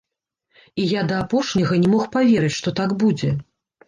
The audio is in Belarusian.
І я да апошняга не мог паверыць, што так будзе.